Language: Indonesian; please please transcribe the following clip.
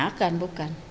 beliau itu dari bukit jawa